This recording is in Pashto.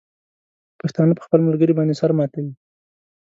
پښتانه په خپل ملګري باندې سر ماتوي.